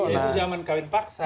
itu zaman kawin paksa